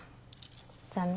残念。